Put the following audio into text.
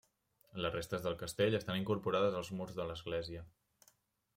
Les restes del castell estan incorporades als murs de l'església.